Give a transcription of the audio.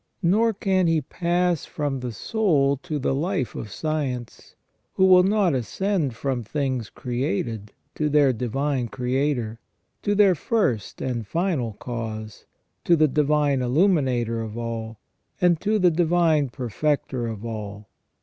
Nor can he pass from the soul to the life of science, who will not ascend from things created to their Divine Creator, to their first and final cause, to the Divine Illuminator of all, and to the Divine Perfecter of all.